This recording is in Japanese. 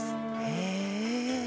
へえ。